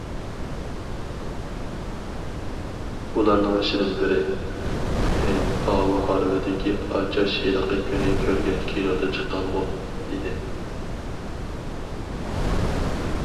ئۇلارنىڭ ئىچىدىن بىرى: «ھەي، ئاۋۇ ھارۋىدىكى ئاچاش ھېلىقى كۈنى كۆرگەن كىنودا چىققانغۇ؟» دېدى.